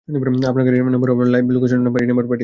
আপনার গাড়ীর নাম্বার আর লাইভ লোকেশন এই নম্বরে পাঠিয়ে দেন।